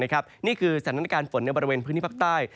นี่คือสถานการณ์ฝนในบริเวณพื้นที่ภาคใต้